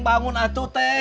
bangun atut ceng